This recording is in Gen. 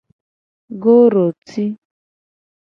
Goroti.